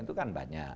itu kan banyak